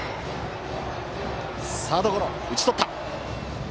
サードゴロ、打ち取った。